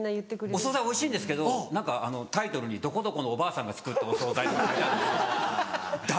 お総菜おいしいんですけど何かタイトルに「どこどこのおばあさんが作ったお総菜」とか書いてあるんですよ。